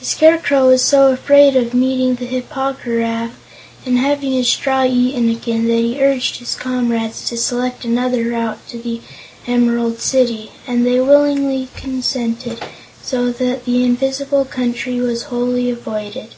The Scarecrow was so afraid of meeting the Hip po gy raf, and having his straw eaten again, that he urged his comrades to select another route to the Emerald City, and they willingly consented, so that the Invisible Country was wholly avoided.